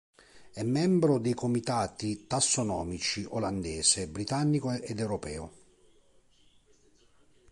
È membro dei comitati tassonomici olandese, britannico ed europeo.